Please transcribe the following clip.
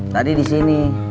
tadi di sini